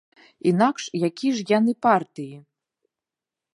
Інакш якія ж яны партыі?